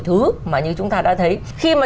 thứ mà như chúng ta đã thấy khi mà